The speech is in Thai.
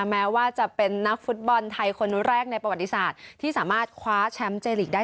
แม้ว่าจะเป็นนักฟุตบอลไทยคนแรกในประวัติศาสตร์ที่สามารถคว้าแชมป์เจลีกได้